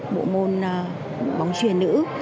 bộ môn bóng chuyển nữ